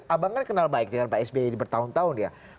abang kan kenal baik dengan pak sby bertahun tahun ya